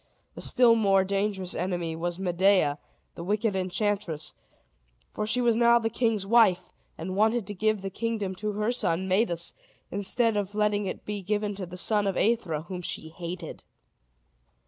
A still more dangerous enemy was Medea, the wicked enchantress; for she was now the king's wife, and wanted to give the kingdom to her son Medus, instead of letting it be given to the son of Aethra, whom she hated.